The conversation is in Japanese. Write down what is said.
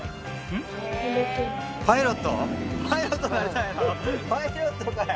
パイロットかよ！